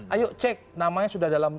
ayo cek namanya sudah dalam